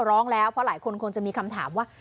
สุดทนแล้วกับเพื่อนบ้านรายนี้ที่อยู่ข้างกัน